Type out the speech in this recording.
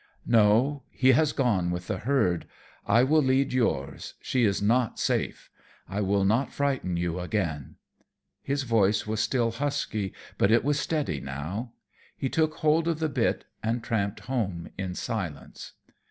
"No, he has gone with the herd. I will lead yours, she is not safe. I will not frighten you again." His voice was still husky, but it was steady now. He took hold of the bit and tramped home in silence.